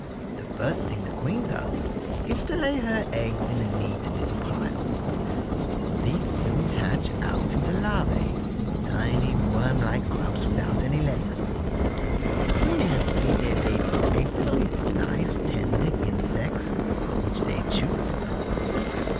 The first thing the queen does is to lay her eggs in a neat little pile. These soon hatch out into larvæ; tiny, worm like grubs without any legs. Queen ants feed their babies faithfully with nice, tender insects, which they chew for them.